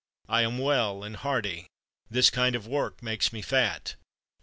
I am well and hearty; this kind of work makes me fat."